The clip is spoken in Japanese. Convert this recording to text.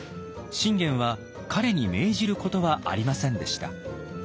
信玄は彼に命じることはありませんでした。